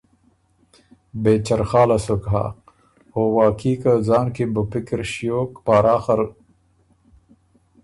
بې چرخاله سُک هۀ۔ او واقعي که ځان کی م بُو پِکِر ݭیوک پاراخه ر